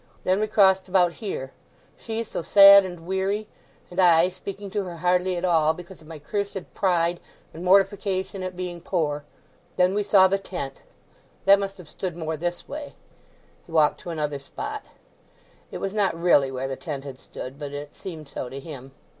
Then we crossed about here—she so sad and weary, and I speaking to her hardly at all, because of my cursed pride and mortification at being poor. Then we saw the tent—that must have stood more this way." He walked to another spot, it was not really where the tent had stood but it seemed so to him.